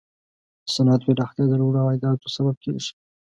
د صنعت پراختیا د لوړو عایداتو سبب کیږي.